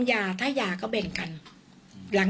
ทรัพย์สินที่เป็นของฝ่ายหญิง